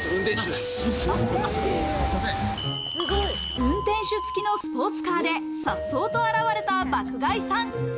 運転手つきのスポーツカーで颯爽と現れた爆買いさん。